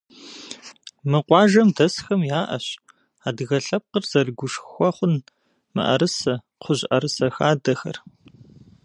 Мы къуажэм дэсхэм яӏэщ адыгэ лъэпкъыр зэрыгушхуэ хъун мыӏэрысэ, кхъужь ӏэрысэ хадэхэр.